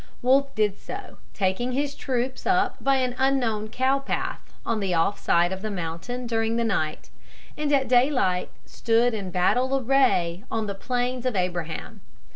Wolfe did so, taking his troops up by an unknown cow path on the off side of the mountain during the night, and at daylight stood in battle array on the Plains of Abraham.